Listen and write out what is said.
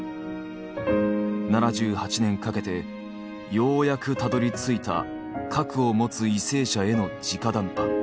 ７８年かけてようやくたどり着いた核を持つ為政者への直談判。